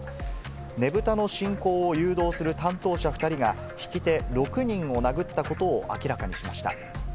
ねぶたの進行を誘導する担当者２人が引き手６人を殴ったことを明らかにしました。